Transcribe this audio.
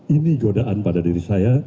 ini godaan pada diri saya